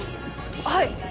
はい。